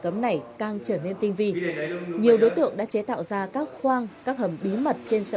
cấm này càng trở nên tinh vi nhiều đối tượng đã chế tạo ra các khoang các hầm bí mật trên xe